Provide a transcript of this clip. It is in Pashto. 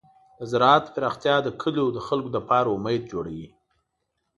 د زراعت پراختیا د کلیو د خلکو لپاره امید جوړوي.